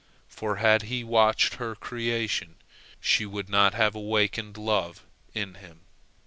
For, had he watched her creation, she would not have awakened love in him.